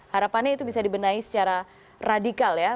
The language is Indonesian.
harapannya itu bisa dibenahi secara radikal ya